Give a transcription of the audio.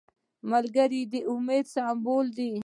ملګری د امید سمبول دی